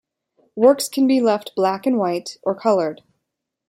Works can be left black and white, or colored.